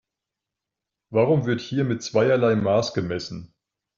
Warum wird hier mit zweierlei Maß gemessen?